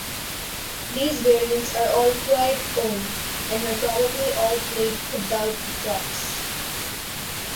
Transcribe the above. These variants are all quite old, and were probably all played without drops.